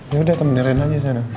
yaudah temenin renanya sih ya